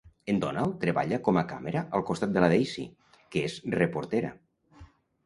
En Donald treballa com a càmera al costat de la Daisy, que és reportera.